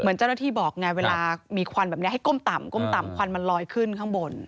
เจ้าหน้าที่บอกไงเวลามีควันแบบนี้ให้ก้มต่ำก้มต่ำควันมันลอยขึ้นข้างบน